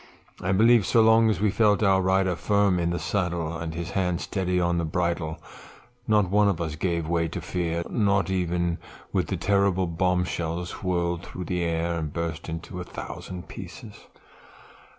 I believe so long as we felt our rider firm in the saddle, and his hand steady on the bridle, not one of us gave way to fear, not even when the terrible bomb shells whirled through the air and burst into a thousand pieces.